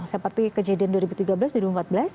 seperti kejadian dua ribu tiga belas dua ribu empat belas